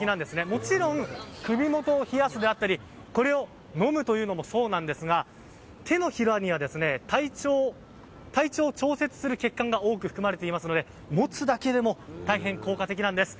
もちろん首元を冷やすであったりこれを飲むこともそうなんですが、手のひらには体調を調節する血管が多く含まれていますので持つだけでも大変効果的なんです。